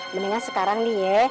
mendingan sekarang nih ya